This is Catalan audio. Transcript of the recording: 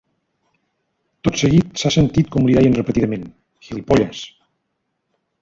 Tot seguit s’ha sentit com li deien repetidament: ‘gilipollas’.